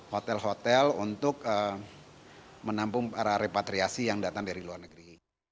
hotel hotel untuk menampung para repatriasi yang datang dari luar negeri